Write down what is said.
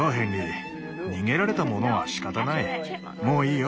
もういいよ